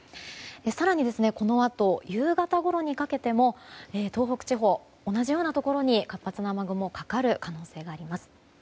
更に、このあと夕方ごろにかけても東北地方、同じようなところに活発な雨雲がかかる可能性があります。